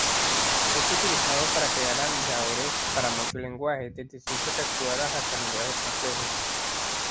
Es utilizado para crear analizadores para muchos lenguajes, desde simples calculadoras hasta lenguajes complejos.